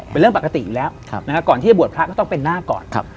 เป็นเรื่องปกติเนี้ยครับนะคะก่อนที่จะบวชพระก็ต้องเป็นนาภก่อนครับ